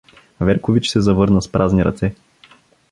Веркович се завърна с праздни ръце.